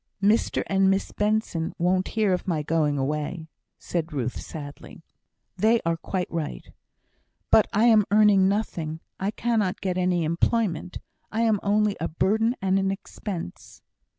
"Mr and Miss Benson won't hear of my going away," said Ruth, sadly. "They are quite right." "But I am earning nothing. I cannot get any employment. I am only a burden and an expense."